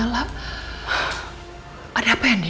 ya allah alhamdulillah udah nyala